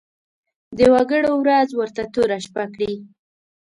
د وګړو ورځ ورته توره شپه کړي.